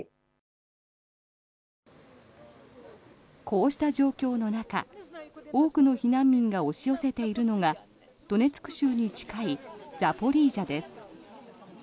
こうした状況の中多くの避難民が押し寄せているのがドネツク州に近いザポリージャです。